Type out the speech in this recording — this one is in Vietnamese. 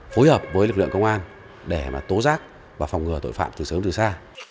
phối hợp với lực lượng công an để tố giác và phòng ngừa tội phạm từ sớm từ xa